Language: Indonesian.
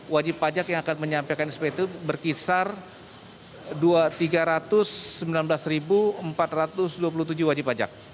wajib pajak yang akan menyampaikan spt itu berkisar tiga ratus sembilan belas empat ratus dua puluh tujuh wajib pajak